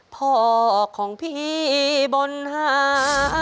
พ่อของพี่บนหา